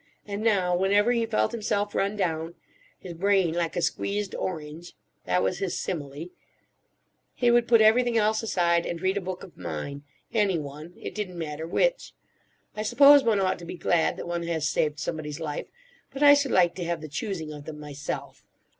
And now, whenever he felt himself run down—his brain like a squeezed orange (that was his simile)—he would put everything else aside and read a book of mine—any one: it didn't matter which. I suppose one ought to be glad that one has saved somebody's life; but I should like to have the choosing of them myself.